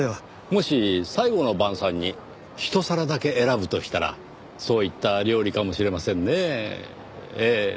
もし最後の晩餐に一皿だけ選ぶとしたらそういった料理かもしれませんねぇええ。